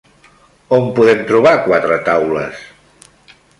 On podem trobar quatre taules?